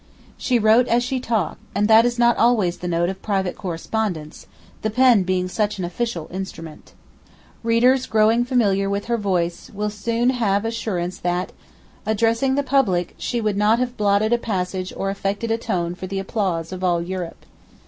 She wrote as she talked, and that is not always the note of private correspondence, the pen being such an official instrument. Readers growing familiar with her voice will soon have assurance that, addressing the public, she would not have blotted a passage or affected a tone for the applause of all Europe.